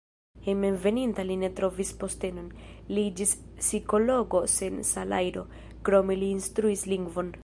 Hejmenveninta li ne trovis postenon, li iĝis psikologo sen salajro, krome li instruis lingvon.